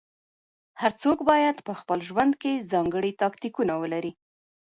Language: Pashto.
هر څوک بايد په خپل ژوند کې ځانګړي تاکتيکونه ولري.